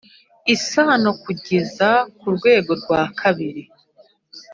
isano kugeza ku rwego rwa kabiri